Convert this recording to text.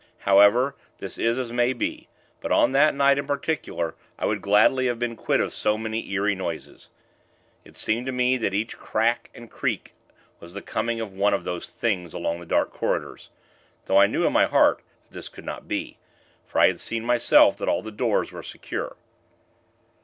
However, this is as may be; but, on that night in particular, I would gladly have been quit of so many eerie noises. It seemed to me, that each crack and creak was the coming of one of those Things along the dark corridors; though I knew in my heart that this could not be, for I had seen, myself, that all the doors were secure.